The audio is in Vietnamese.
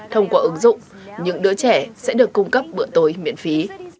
thông qua ứng dụng những đứa trẻ sẽ được cung cấp bữa tối miễn phí